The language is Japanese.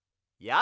や